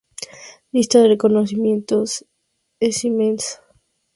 La lista de reconocimientos es inmensa.